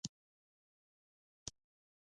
جانداد د هڅونې سرچینه دی.